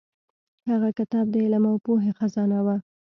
هغه کتاب د علم او پوهې خزانه وه.